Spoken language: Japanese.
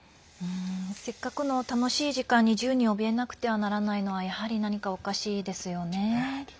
せっかくの楽しい時間に銃におびえなくてはならないのはやはり何か、おかしいですよね。